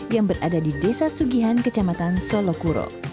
yang berada di desa sugihan kecamatan solokuro